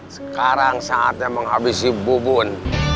sekarang saatnya menghabisi bubun